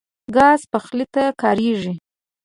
ګاز پخلي ته کارېږي.